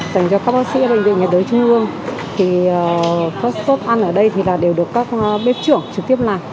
các bác sĩ bệnh viện nhiệt đới trung ương thì các suốt ăn ở đây thì đều được các bếp trưởng trực tiếp làm